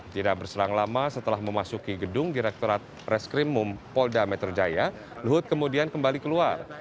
tidak berserang lama setelah memasuki gedung direkturat reskrim mumpolda metro jaya luhut kemudian kembali keluar